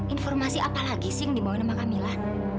informasi apa lagi sih yang dibawa nama kamil